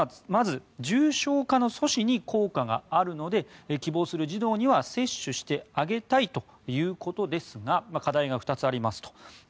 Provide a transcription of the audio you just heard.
まず重症化の阻止に効果があるので希望する児童には接種してあげたいということですが課題が２つありますと。